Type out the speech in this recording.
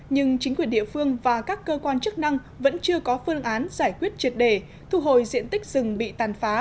nhưng chính quyền địa phương và các cơ quan chức năng vẫn chưa có phương án giải quyết triệt đề thu hồi diện tích rừng bị tàn phá